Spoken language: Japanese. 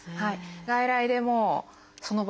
外来でもうその場で。